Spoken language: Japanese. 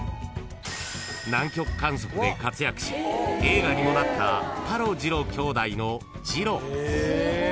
［南極観測で活躍し映画にもなったタロジロ兄弟のジロ］